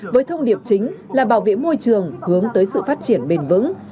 với thông điệp chính là bảo vệ môi trường hướng tới sự phát triển bền vững